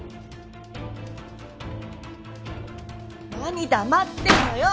何黙ってんのよ！